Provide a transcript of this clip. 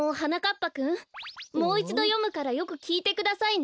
ぱくんもういちどよむからよくきいてくださいね。